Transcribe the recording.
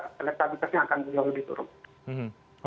elektabilitasnya akan jauh lebih turun